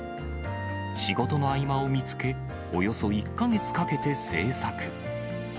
仕事の合間を見つけ、およそ１か月かけて製作。